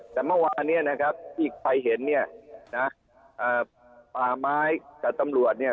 แต่เมื่อวานเนี่ยนะครับที่ไปเห็นเนี่ยนะป่าไม้กับตำรวจเนี่ย